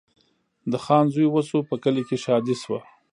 د خان زوی وسو په کلي کي ښادي سوه